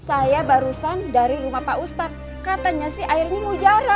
saya barusan dari rumah pak ustadz katanya sih air ini mujara